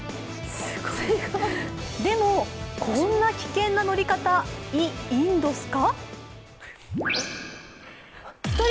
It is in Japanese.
でも、こんな危険な乗り方、いインドすか？